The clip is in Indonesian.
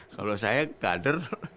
kalau saya kader